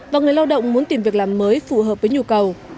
và người lao động muốn tìm việc làm mới phù hợp với nhu cầu